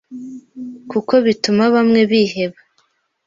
kuko bituma bamwe biheba